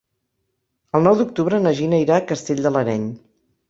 El nou d'octubre na Gina irà a Castell de l'Areny.